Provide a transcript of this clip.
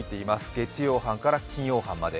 月曜班から金曜班まで。